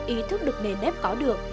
ý thức được nền nếp có được